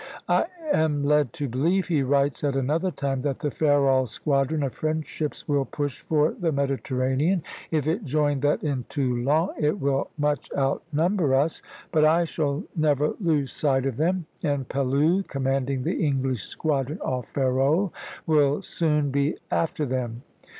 "I am led to believe," he writes at another time, "that the Ferrol squadron of French ships will push for the Mediterranean. If it join that in Toulon, it will much outnumber us; but I shall never lose sight of them, and Pellew (commanding the English squadron off Ferrol) will soon be after them."